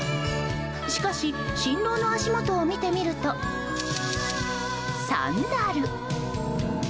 しかし、新郎の足元を見てみるとサンダル。